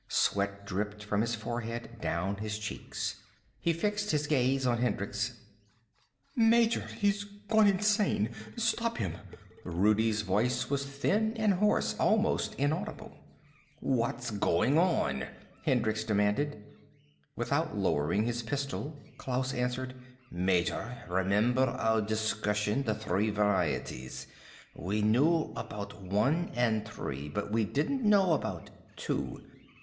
Sweat dripped from his forehead, down his cheeks. He fixed his gaze on Hendricks. "Major, he's gone insane. Stop him." Rudi's voice was thin and hoarse, almost inaudible. "What's going on?" Hendricks demanded. Without lowering his pistol Klaus answered. "Major, remember our discussion? The Three Varieties? We knew about One and Three. But we didn't know about Two.